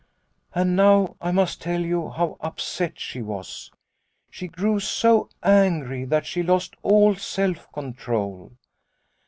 And now I must tell you how upset she was. She grew so angry that she lost all self control.